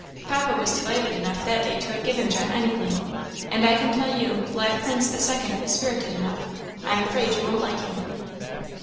Papa was delighted enough that day to have given John anything. And I can tell you, Black Prince the second is spirited enough; I am afraid you won't like him."